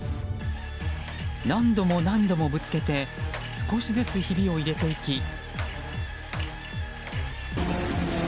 何度も何度もぶつけて少しずつひびを入れていき。